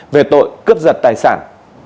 về tội cướp giật tài sản